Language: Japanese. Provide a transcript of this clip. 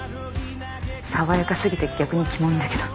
爽やか過ぎて逆にキモいんだけど。